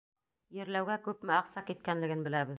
Ерләүгә күпме аҡса киткәнлеген беләбеҙ.